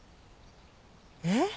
えっ？